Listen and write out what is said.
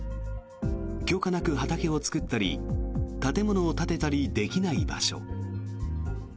許可なく畑を作ったり建物を建てたりできない場所。